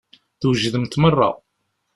Twejdemt meṛṛa.